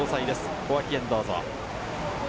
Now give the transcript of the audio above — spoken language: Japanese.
小涌園、どうぞ。